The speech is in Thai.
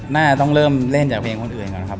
น่าจะต้องเริ่มเล่นจากเพลงคนอื่นก่อนครับ